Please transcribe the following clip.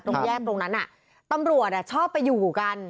แยกตรงนั้นตำรวจชอบไปอยู่กัน